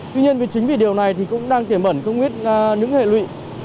tuy nhiên chính vì điều này thì cũng đang kể mẩn công viết những hệ lụy